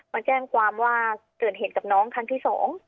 มาแจ้งความว่าเกิดเหตุกับน้องครั้งที่๒